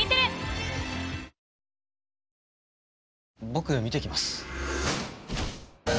僕見てきます。